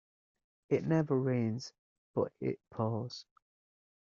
It never rains but it pours.